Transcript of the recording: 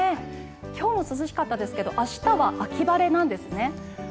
今日も涼しかったですけど明日は秋晴れなんですね。